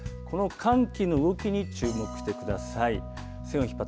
この寒気の動きに注目してください。